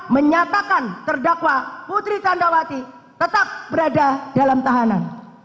empat menyatakan terdakwa putri cendrawati tetap berada dalam tahanan